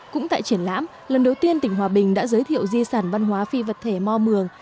cũng tại triển lãm lần đầu tiên tỉnh hòa bình đã giới thiệu di sản văn hóa phi vật thể mò mường